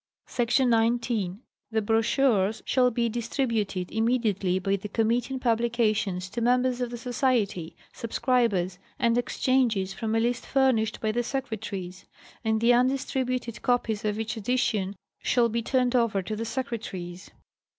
Sec. 19. The brochures shall be distributed immediately by the Committee on Publications to members of the Society, sub scribers, and exchanges from a list furnished by the Secretaries ; and the undistributed copies of each edition shall be turned over to the Secretaries.